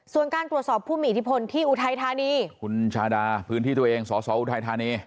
ส่วนการตรวจสอบผู้มีอิทธิพลที่อุทัยธานีคุณชาดาพื้นที่ตัวเองสอสออุทัยธานี